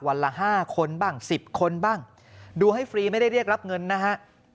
ละ๕คนบ้าง๑๐คนบ้างดูให้ฟรีไม่ได้เรียกรับเงินนะฮะ